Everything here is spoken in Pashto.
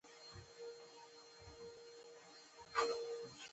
پالمر ته ویل شوي وه.